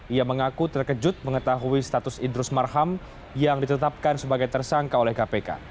ia mengaku terkejut mengetahui status idrus marham yang ditetapkan sebagai tersangka oleh kpk